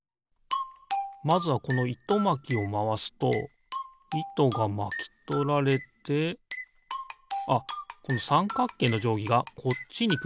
まずはこのいとまきをまわすといとがまきとられてあっこのさんかっけいのじょうぎがこっちにくるのか。